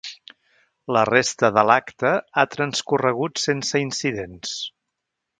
La resta de l’acte ha transcorregut sense incidents.